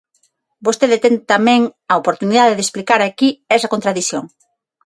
Vostede ten tamén a oportunidade de explicar aquí esa contradición.